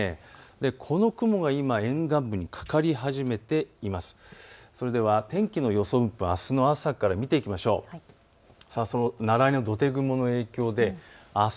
この雲が今沿岸部にかかり始めています。